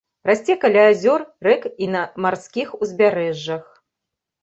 Расце каля азёр, рэк і на марскіх узбярэжжах.